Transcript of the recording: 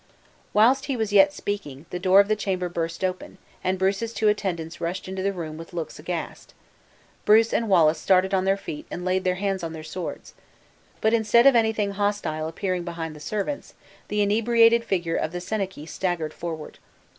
Whilst he was yet speaking, the door of the chamber burst open, and Bruce's two attendants rushed into the room with looks aghast. Bruce and Wallace started on their feet and laid their hands on their swords. But instead of anything hostile appearing behind the servants, the inebriated figure of the senachie staggered forward.